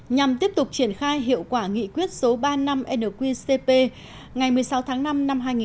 nhằm tiếp tục triển khai hiệu quả nghị quyết số ba mươi năm nqcp ngày một mươi sáu tháng năm năm hai nghìn một mươi